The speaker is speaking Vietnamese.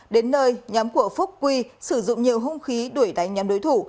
đến nơi nhóm của phúc quy sử dụng nhiều hung khí đuổi đánh nhóm đối thủ